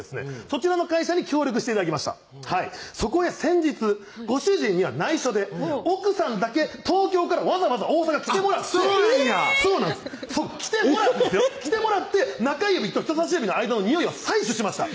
そちらの会社に協力して頂きましたそこへ先日ご主人にはないしょで奥さんだけ東京からわざわざ大阪来てもらってそうなんやそうなんです来てもらってですよ来てもらって中指と人さし指の間のニオイを採取しました